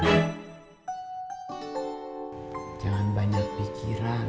jangan banyak pikiran